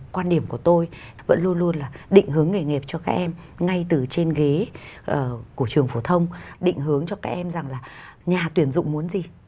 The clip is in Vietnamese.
quan điểm của tôi vẫn luôn luôn là định hướng nghề nghiệp cho các em ngay từ trên ghế của trường phổ thông định hướng cho các em rằng là nhà tuyển dụng muốn gì